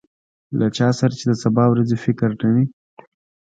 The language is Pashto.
له چا سره چې د سبا ورځې فکر نه وي.